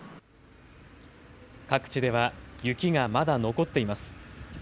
各地では雪がまだ残っています。